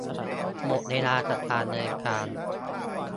หมดเวลากับการเดินทาง